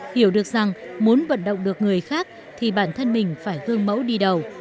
hiểu được rằng muốn vận động được người khác thì bản thân mình phải gương mẫu đi đầu